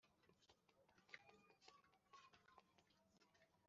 Ariko umuntu niyubaka kuri urwo rufatiro izahabu,